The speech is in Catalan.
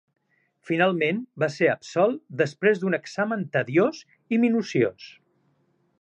Finalment va ser absolt després d'un examen tediós i minuciós.